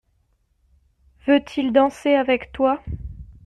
Veut-il danser avec toi?